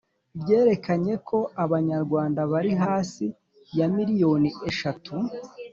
ryerekanye ko abanyarwanda bari hasi ya miliyoni eshatu